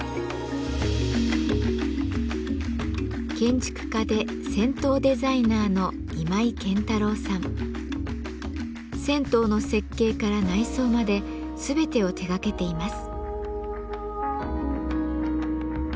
建築家で銭湯デザイナーの銭湯の設計から内装まで全てを手がけています。